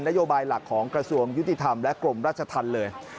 โยบายหลักของกระทรวงยุติธรรมและกรมราชธรรมเลย